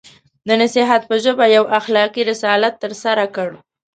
د نصیحت په ژبه یو اخلاقي رسالت ترسره کړ.